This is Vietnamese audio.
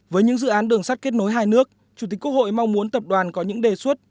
với những dự án đường sắt kết nối hai nước chủ tịch quốc hội mong muốn tập đoàn có những đề xuất